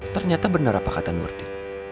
ternyata benar apa kata nurdi